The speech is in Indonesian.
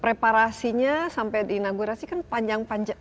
preparasinya sampai di inaugurasi kan panjang panjang